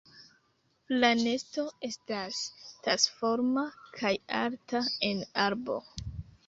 La nesto estas tasforma kaj alta en arbo.